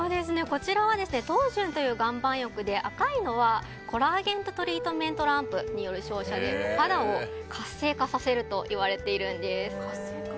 こちらは桃潤という岩盤浴で赤いのはコラーゲントリートメントランプによる照射でお肌を活性化させるといわれているんです。